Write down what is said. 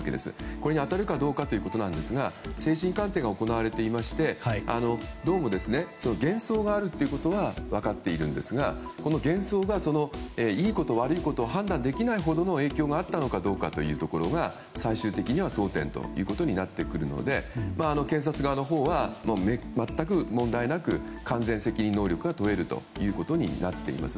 これに当たるかどうかということなんですが精神鑑定が行われていましてどうも幻想があるということが分かっているんですがこの幻想が、いいことと悪いことを判断できないほどの影響があったのかどうかというところが最終的には争点となってくるので検察側のほうは、全く問題なく完全責任能力が問えるということになっています。